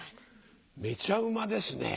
めちゃうまですねぇ。